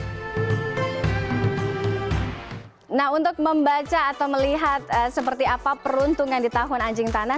nah untuk membaca atau melihat seperti apa peruntungan di tahun anjing tanah